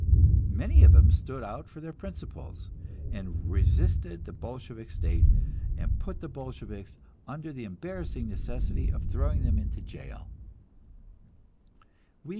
Many of them stood out for their principles, and resisted the Bolshevik state, and put the Bolsheviks under the embarrassing necessity of throwing them into jail.